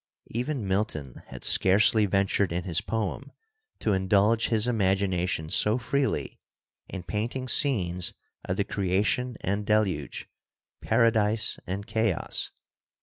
Even Milton had scarcely ventured in his poem to indulge his imagination so freely in painting scenes of the Creation and Deluge, Paradise and Chaos.